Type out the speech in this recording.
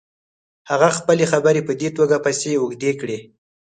هغه خپلې خبرې په دې توګه پسې اوږدې کړې.